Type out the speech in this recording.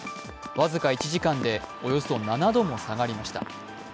僅か１時間でおよそ７度も下がりました。